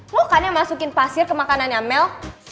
lo kan yang masukin pasir ke makanannya amel